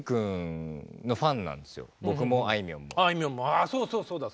あぁそうそうだ。